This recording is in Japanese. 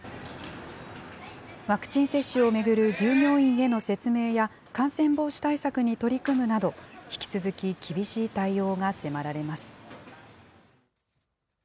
ワクチン接種を巡る従業員への説明や感染防止対策に取り組むなど、引き続き厳しい対応が迫られます。